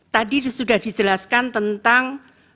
tadi sudah dijelaskan tentang